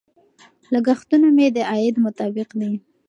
لګښتونه مې د عاید مطابق دي.